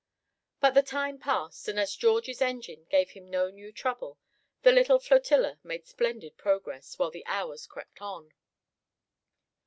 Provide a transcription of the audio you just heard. But the time passed, and as George's engine gave him no new trouble, the little flotilla made splendid progress while the hours crept on.